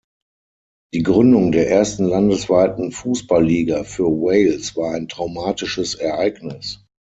Die Gründung der ersten landesweiten Fußballliga für Wales war ein traumatisches Ereignis.